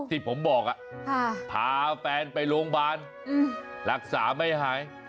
ที่ผมบอกพาแฟนไปโรงพยาบาลรักษาไม่หาย